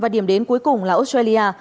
và điểm đến cuối cùng là australia